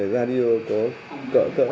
radio có cỡ cỡ